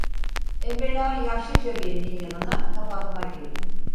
Evvela yaşlıca birinin yanına kapatma girdi.